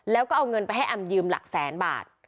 แล้วก็เอาเงินไปให้แอมยืมหลักแสนบาท